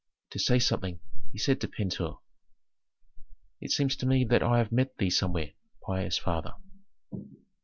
To say something, he said to Pentuer, "It seems to me that I have met thee somewhere, pious father?"